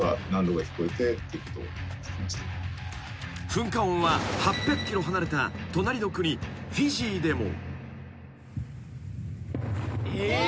［噴火音は８００ｋｍ離れた隣の国フィジーでも］